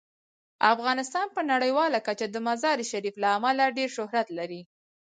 افغانستان په نړیواله کچه د مزارشریف له امله ډیر شهرت لري.